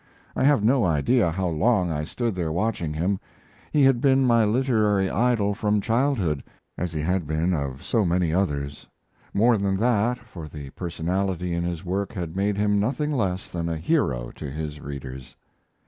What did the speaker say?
I have no idea how long I stood there watching him. He had been my literary idol from childhood, as he had been of so many others; more than that, for the personality in his work had made him nothing less than a hero to his readers.